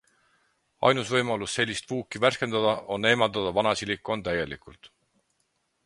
Ainus võimalus sellist vuuki värskendada, on eemaldada vana silikoon täielikult.